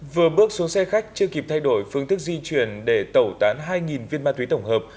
vừa bước xuống xe khách chưa kịp thay đổi phương thức di chuyển để tẩu tán hai viên ma túy tổng hợp